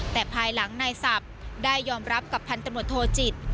แต่ภายหลังในสัพได้ยอมรับกับพันธนโทษจิต